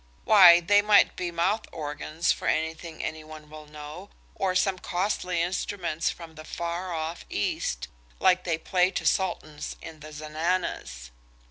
Why, they might be mouth organs for anything any one will know, or some costly instruments from the far off East, like they play to sultans in zenanas.